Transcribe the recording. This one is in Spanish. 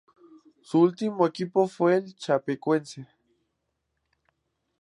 Su último equipo fue el Chapecoense.